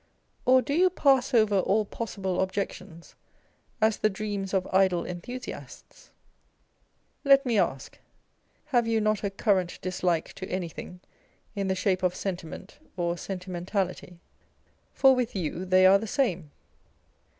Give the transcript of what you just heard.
Or do you pass over all possible objections as the dreams of idle enthusiasts '? Let me ask, Have you not a current dislike to anything in the shape of sentiment or sentimentality 1 for with you they are the same.